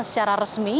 hanya secara resmi